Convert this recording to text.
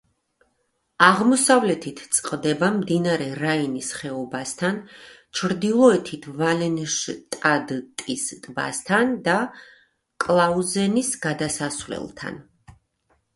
აღმოსავლეთით წყდება მდინარე რაინის ხეობასთან, ჩრდილოეთით ვალენშტადტის ტბასთან და კლაუზენის გადასასვლელთან.